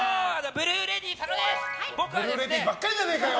ブルーレディばっかりじゃねえかよ！